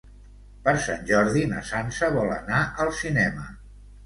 Per Sant Jordi na Sança vol anar al cinema.